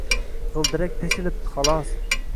Gʻildirak teshilibdi, xolos